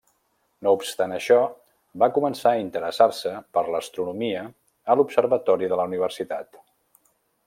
No obstant això, va començar a interessar-se per l'astronomia a l'observatori de la universitat.